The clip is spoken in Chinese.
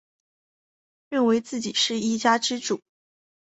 认为自己是一家之主